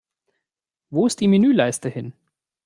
Wo ist die Menüleiste hin?